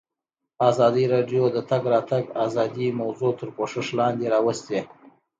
ازادي راډیو د د تګ راتګ ازادي موضوع تر پوښښ لاندې راوستې.